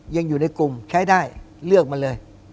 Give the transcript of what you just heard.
ยังอยู่ในกลุ่มใช้ได้เลือกมาเลย